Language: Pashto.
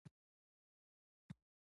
ما د جامو اندازه وپوښتله.